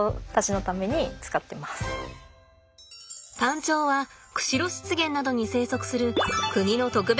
タンチョウは釧路湿原などに生息する国の特別天然記念物です。